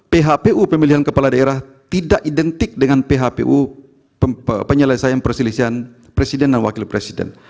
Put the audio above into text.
phpu pemilihan kepala daerah tidak identik dengan phpu penyelesaian perselisihan presiden dan wakil presiden